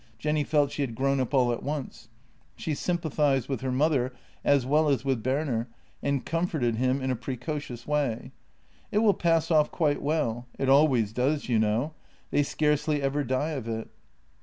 Jenny felt she had grown up all at once; she sympathized with her mother as well as with Berner, and comforted him in a precocious way: " It will pass off quite well; it always does, you know. They scarcely ever die of it."